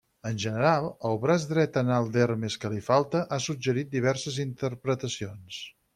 En general, el braç dret en alt d'Hermes que li falta, ha suggerit diverses interpretacions.